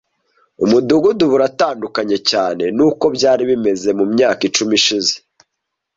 Umudugudu ubu uratandukanye cyane nuko byari bimeze mumyaka icumi ishize.